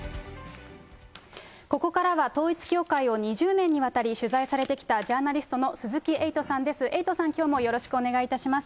ここからは統一教会を２０年にわたり取材されてきたジャーナリストの鈴木エイトさんです。